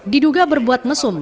diduga berbuat mesum